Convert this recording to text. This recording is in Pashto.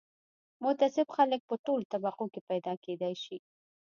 متعصب خلک په ټولو طبقو کې پیدا کېدای شي